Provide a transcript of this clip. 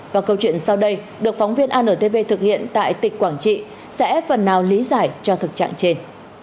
và câu chuyện sau đây được phóng viên antv thực hiện tại tỉnh quảng trị sẽ phần nào lý giải cho thực trạng trên